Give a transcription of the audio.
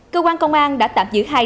cơ quan công an đã tạm giữ hai